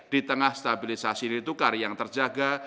di tengah stabilisasi ritukar yang terjaga